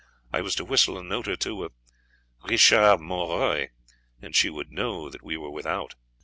I was to whistle a note or two of Richard Mon Roi, and she would know that we were without."